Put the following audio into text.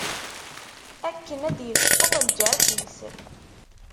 Akken ad d-yesfeḍ lğerḥ-is.